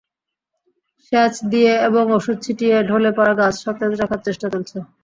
সেচ দিয়ে এবং ওষুধ ছিটিয়ে ঢলে পড়া গাছ সতেজ রাখার চেষ্টা চলছে।